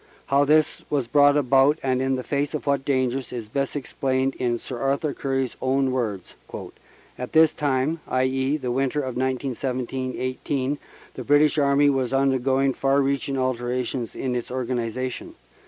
How this was brought about, and in face of what dangers, is best explained in Sir Arthur Currie s own words: "At this time (i.e., the winter of 1917 18) the British Army was undergoing far reaching alterations in its organ ization.